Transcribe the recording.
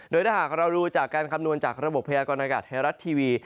โดยถ้าหากเราดูจากการคำนวณจากระบบพยากรณากาศไทยรัฐทีวี